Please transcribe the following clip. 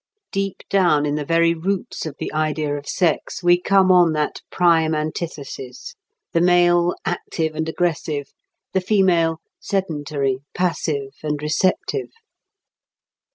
Deep down in the very roots of the idea of sex we come on that prime antithesis—the male, active and aggressive; the female, sedentary, passive, and receptive.